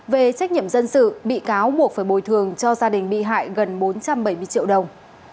về trách nhiệm dân sự bị cáo buộc phải bồi thường cho gia đình bị hại gần bốn trăm bảy mươi triệu đồng